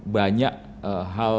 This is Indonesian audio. dan tentunya akan bisa menghasilkan